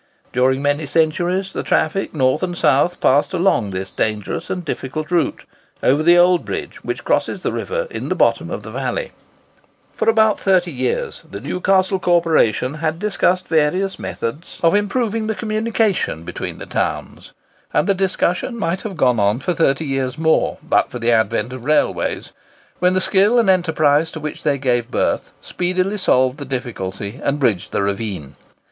During many centuries the traffic north and south passed along this dangerous and difficult route, over the old bridge which crosses the river in the bottom of the valley. For about 30 years the Newcastle Corporation had discussed various methods of improving the communication between the towns; and the discussion might have gone on for 30 years more, but for the advent of railways, when the skill and enterprise to which they gave birth speedily solved the difficulty and bridged the ravine.